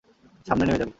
সামনে নেমে যাবি।